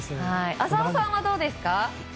浅尾さんはどうですか？